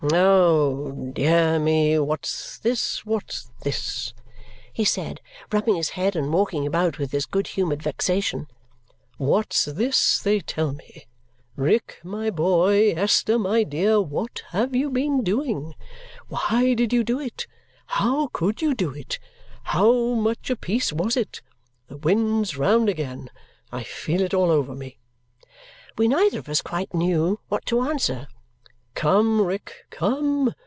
"Oh, dear me, what's this, what's this!" he said, rubbing his head and walking about with his good humoured vexation. "What's this they tell me? Rick, my boy, Esther, my dear, what have you been doing? Why did you do it? How could you do it? How much apiece was it? The wind's round again. I feel it all over me!" We neither of us quite knew what to answer. "Come, Rick, come!